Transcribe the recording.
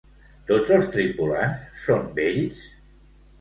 Tots els tripulants són vells?